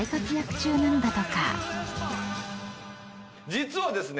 実はですね